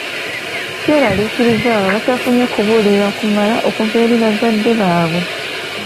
Kyeraliikiriza abo abatafunye kubuulirirwa kumala okuva eri abazadde baabwe.